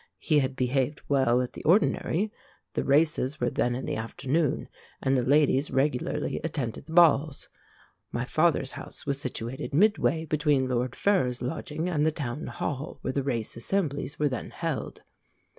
He had behaved well at the ordinary; the races were then in the afternoon, and the ladies regularly attended the balls. My father's house was situated midway between Lord Ferrers's lodgings and the Town Hall, where the race assemblies were then held.